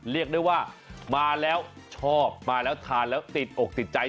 เรียกได้ว่ามาแล้วชอบมาแล้วทานแล้วติดอกติดใจ